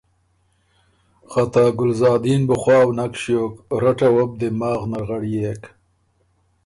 خه ته ګلزادین بُو خواؤ نک ݭیوک، رټه وه بو دماغ نر غړيېک،